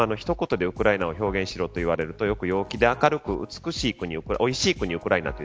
一言でウクライナを表現しろといわれると陽気で明るく美しい国おいしい国ウクライナと